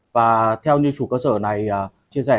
và theo như chủ cơ sở này chia sẻ